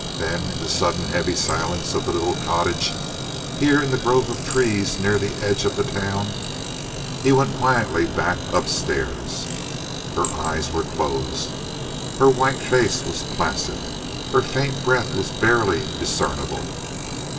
Then in the sudden heavy silence of the little cottage, here in the grove of trees near the edge of the town, he went quietly back upstairs. Her eyes were closed. Her white face was placid. Her faint breath was barely discernible.